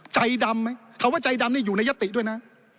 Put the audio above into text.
ใจดำไหมคำว่าใจดำนี่อยู่ในยติด้วยนะ